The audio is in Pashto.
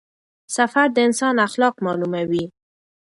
سفر د انسان اخلاق معلوموي.